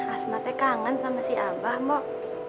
asma teh kangen sama si abah mbok